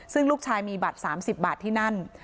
ซึ่งลูกชายมีบัตร๓๐บาทที่นั่น